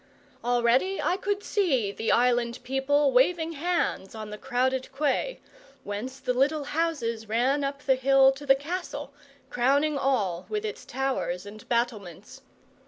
Already I could see the island people waving hands on the crowded quay, whence the little houses ran up the hill to the castle, crowning all with its towers and battlements.